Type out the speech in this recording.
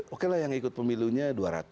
oke lah yang ikut pemilunya dua ratus